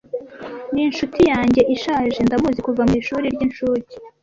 Ni inshuti yanjye ishaje. Ndamuzi kuva mu ishuri ry'incuke.